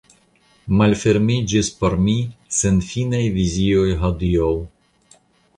Malfermiĝis por mi senfinaj vizioj hodiaŭ.